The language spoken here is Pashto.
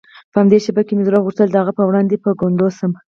په همدې شېبه کې مې زړه غوښتل د هغه په وړاندې په ګونډو شم.